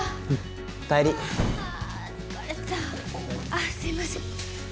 あっすいません。